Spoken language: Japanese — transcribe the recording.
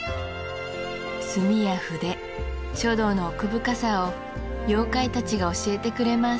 墨や筆書道の奥深さを妖怪達が教えてくれます